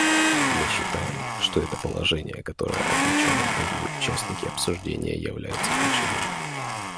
Мы считаем, что это положение, которое отмечали многие участники обсуждения, является ключевым.